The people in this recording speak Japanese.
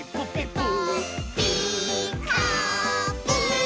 「ピーカーブ！」